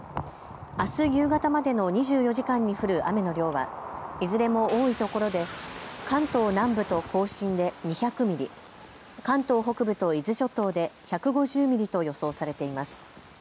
あす夕方までの２４時間に降る雨の量はいずれも多いところで関東南部と甲信で２００ミリ、関東北部と伊豆諸島で１５０ミリと予想されています。